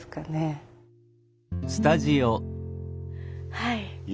はい。